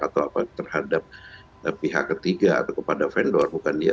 atau apa terhadap pihak ketiga atau kepada vendor bukan dia